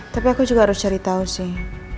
tapi aku juga harus cari tahu sih